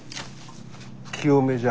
清めじゃ。